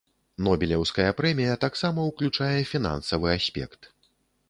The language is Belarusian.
Нобелеўская прэмія таксама ўключае фінансавы аспект.